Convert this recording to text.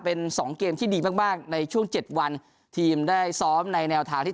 เป็น๒เกมที่ดีมากในช่วง๗วันทีมได้ซ้อมในแนวฐานที่